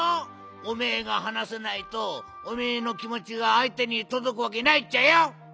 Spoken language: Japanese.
おめえがはなさないとおめえのきもちがあいてにとどくわけないっちゃよ。